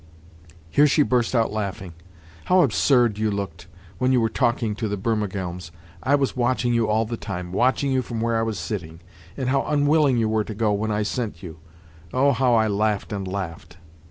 Here she burst out laughing. "How absurd you looked when you were talking to the Burmergelms! I was watching you all the time—watching you from where I was sitting. And how unwilling you were to go when I sent you! Oh, how I laughed and laughed!"